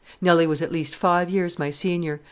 Nelly was at least five years my senior.